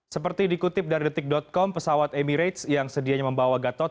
seperti dikutip dari detik com pesawat emirates yang sedianya membawa gatot